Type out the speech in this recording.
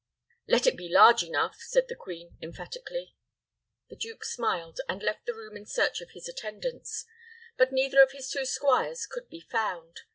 "Let it be large enough," said the queen, emphatically. The duke smiled, and left the room in search of his attendants; but neither of his two squires could be found.